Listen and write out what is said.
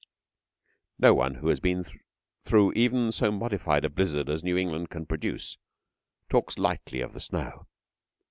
No one who has been through even so modified a blizzard as New England can produce talks lightly of the snow.